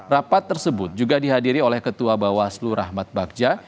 rapat tersebut juga dihadiri oleh ketua bawaslu rahmat bagja